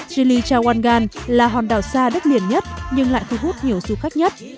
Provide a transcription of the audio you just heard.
gili chawangan là hòn đảo xa đất liền nhất nhưng lại khu hút nhiều du khách nhất